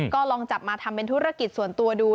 ก็ลองจับมาทำเป็นธุรกิจส่วนตัวดู